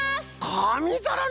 かみざらな！